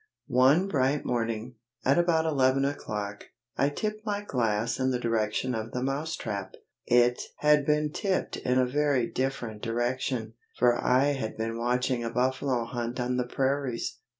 ONE bright morning, at about eleven o'clock, I tipped my glass in the direction of the Mouse trap. It had been tipped in a very different direction, for I had been watching a buffalo hunt on the prairies.